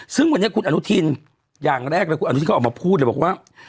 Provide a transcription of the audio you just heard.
ซึ่งวันนี้คุณอนุทินอย่างแรกเลยคุณอนุทินก็ออกมาพูดเลยบอกว่า